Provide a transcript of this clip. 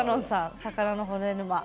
魚の骨沼。